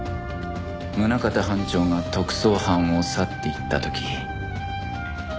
宗方班長が特捜班を去っていった時